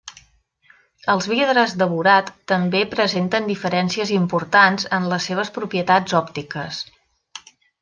Els vidres de borat també presenten diferències importants en les seves propietats òptiques.